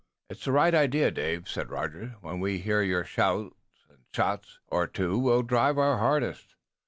"It's the right idea, Dave," said Rogers. "When we hear your shots and a shout or two we'll drive our hardest."